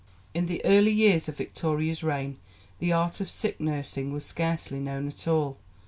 In the early years of Victoria's reign the art of sick nursing was scarcely known at all.